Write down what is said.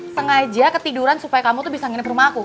sengaja ketiduran supaya kamu bisa nginep rumah aku